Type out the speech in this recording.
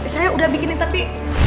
saya udah bikinin tapi